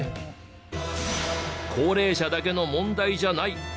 高齢者だけの問題じゃない。